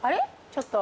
ちょっと。